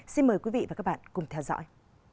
xin mời quý vị và các bạn cùng theo dõi